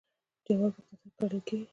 جوار په قطار کرل کیږي.